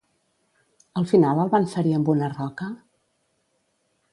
Al final el van ferir amb una roca?